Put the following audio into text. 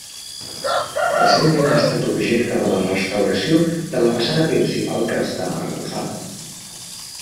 Recentment ha estat objecte de la restauració de la façana principal que està arrebossada.